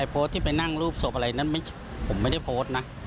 โพสต์ที่ไปนั่งรูปศพอะไรนั้นผมไม่ได้โพสต์นะ